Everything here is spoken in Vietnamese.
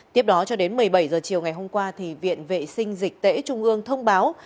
tiếp đó cho đến một mươi bảy h chiều ngày hôm qua viện vệ sinh dịch tễ trung ương thông báo